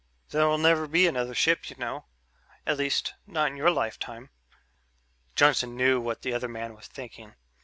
There'll never be another ship, you know at least not in your lifetime." Johnson knew what the other man was thinking.